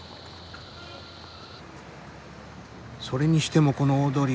それにしてもこの大通り